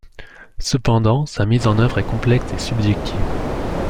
Cependant, sa mise en œuvre est complexe et subjective.